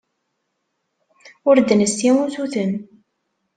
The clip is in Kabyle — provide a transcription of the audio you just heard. Ur d-nessi usuten.